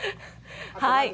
はい。